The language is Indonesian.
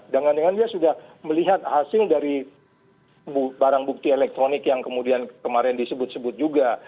jangan jangan dia sudah melihat hasil dari barang bukti elektronik yang kemudian kemarin disebut sebut juga